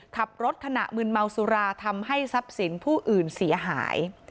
ขับรถขณะมืนเมาสุราทำให้ทรัพย์สินผู้อื่นเสียหาย